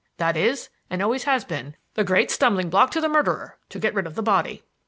That is, and always has been, the great stumbling block to the murderer: to get rid of the body.